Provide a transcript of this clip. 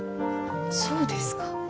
そうですか？